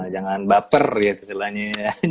jangan baper ya istilahnya